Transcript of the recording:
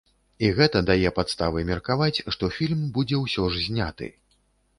І гэта дае падставы меркаваць, што фільм будзе ўсё ж зняты.